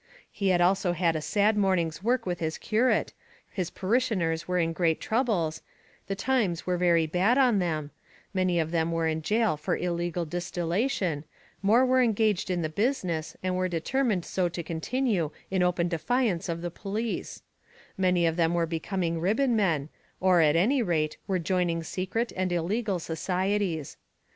He had also had a sad morning's work with his curate, his parishioners were in great troubles, the times were very bad on them; many of them were in gaol for illegal distillation; more were engaged in the business, and were determined so to continue in open defiance of the police; many of them were becoming ribbonmen, or, at any rate, were joining secret and illegal societies.